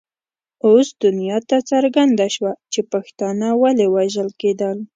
اوس دنیا ته څرګنده شوه چې پښتانه ولې وژل کېدل.